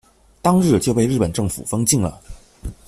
当日就被日本政府封禁了。